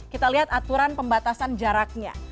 kita lihat aturan pembatasan jaraknya